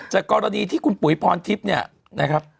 จากกรณีที่คุณปุ๋ยพรทิพย์เนี่ยนะครับ